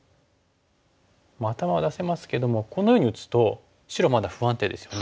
まあ頭は出せますけどもこのように打つと白まだ不安定ですよね。